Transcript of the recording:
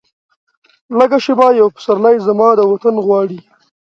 لږه شیبه یو پسرلی، زما د وطن غواړي